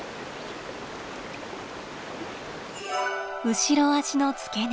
後ろ足の付け根。